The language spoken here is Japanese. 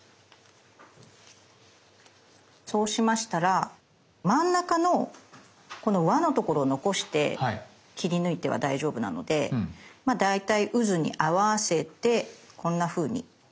そうしましたら真ん中のこの輪のところを残して切り抜いては大丈夫なのでまあ大体うずに合わせてこんなふうに切っていきます。